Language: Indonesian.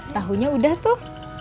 tahu nya udah tuh